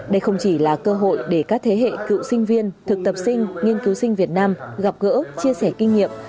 đây không chỉ là cơ hội để các thế hệ cựu sinh viên thực tập sinh nghiên cứu sinh việt nam gặp gỡ chia sẻ kinh nghiệm